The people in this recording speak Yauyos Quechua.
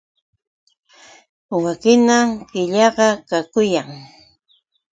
Wakhinam qillasqa kakuyan.